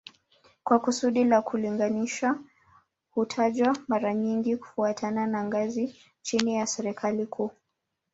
Kwa kusudi la kulinganisha hutajwa mara nyingi kufuatana na ngazi chini ya serikali kuu